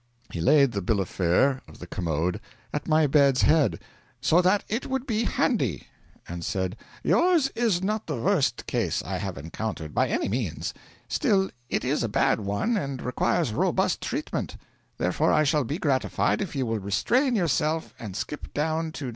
He laid the bill of fare of the commode at my bed's head, 'so that it would be handy,' and said: 'Yours is not the worst case I have encountered, by any means; still it is a bad one and requires robust treatment; therefore I shall be gratified if you will restrain yourself and skip down to No.